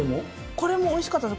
これもおいしかったです。